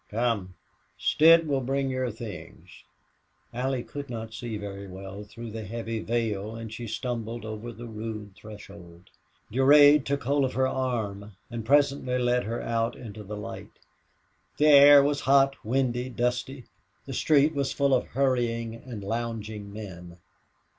"Come. Stitt will bring your things." Allie could not see very well through the heavy veil and she stumbled over the rude threshold. Durade took hold of her arm and presently led her out into the light. The air was hot, windy, dusty. The street was full of hurrying and lounging men.